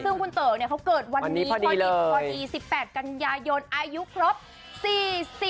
ซึ่งคุณเต๋อเขาเกิดวันนี้พอดี๑๘กันยายนอายุครบ๔๐